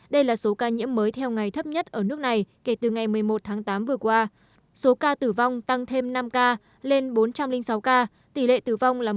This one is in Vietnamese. đây là số ca nhiễm mới theo ngày thấp nhất ở nước này kể từ ngày một mươi một tháng tám vừa qua số ca tử vong tăng thêm năm ca lên bốn trăm linh sáu ca tỷ lệ tử vong là một